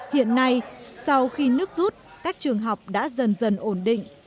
hiện nay sau khi nước rút các trường học đã dần dần ổn định